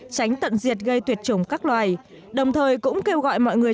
tránh tận diệt gây tuyệt chủng các loài đồng thời cũng kêu gọi mọi người